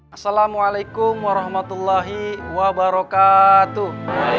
assalamualaikum warahmatullahi wabarakatuh